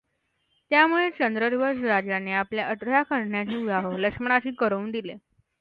त्यामुळे चंद्रध्वज राजाने आपल्या अठरा कन्यांचे विवाह लक्ष्मणाशी करून दिले.